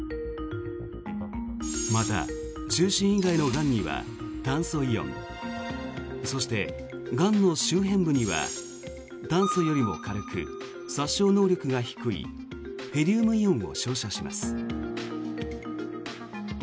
また、中心以外のがんには炭素イオンそして、がんの周辺部には炭素よりも軽く、殺傷能力が低いヘリウムイオンを照射します。